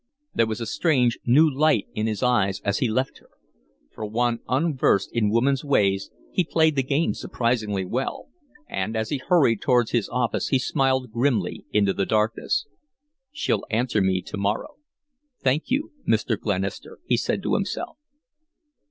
There was a strange, new light in his eyes as he left her. For one unversed in woman's ways he played the game surprisingly well, and as he hurried towards his office he smiled grimly into the darkness. "She'll answer me to morrow. Thank you, Mr. Glenister," he said to himself.